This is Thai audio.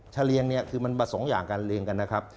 เลียงเนี่ยคือมันผสมอย่างการเรียงกันนะครับ